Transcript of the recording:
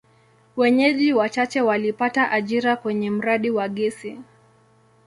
Wenyeji wachache walipata ajira kwenye mradi wa gesi.